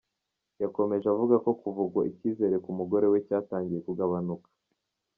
Yakomeje avuga ko kuva ubwo ikizere ku mugore we cyatangiye kugabanuka.